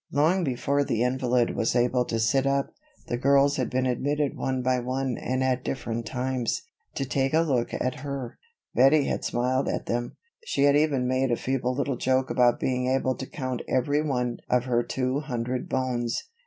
Long before the invalid was able to sit up, the girls had been admitted one by one and at different times, to take a look at her. Bettie had smiled at them. She had even made a feeble little joke about being able to count every one of her two hundred bones.